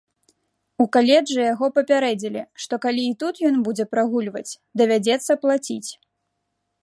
У каледжы яго папярэдзілі, што калі і тут ён будзе прагульваць, давядзецца плаціць.